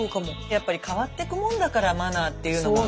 やっぱり変わってくもんだからマナーっていうのは。